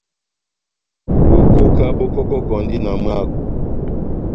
Bokoka bó kɔkɔkɔndi na mwáko.